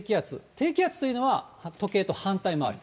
低気圧というのは、時計と反対回り。